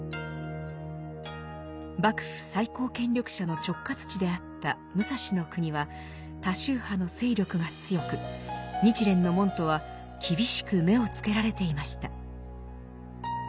幕府最高権力者の直轄地であった武蔵国は他宗派の勢力が強く日蓮の門徒は厳しく目をつけられていました。